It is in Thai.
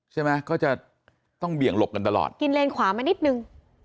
ใช่ไหมก็จะต้องเบี่ยงหลบกันตลอดกินเลนขวามานิดนึง